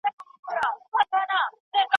که موږ خپله ژبه هېره کړو خپل هویت به ورک کړو.